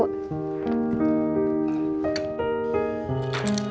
udah makan ya